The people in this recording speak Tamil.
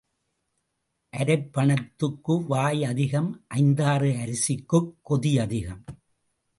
அரைப் பணத்துக்கு வாய் அதிகம் ஐந்தாறு அரிசிக்குக் கொதி அதிகம்.